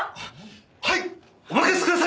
はいお任せください！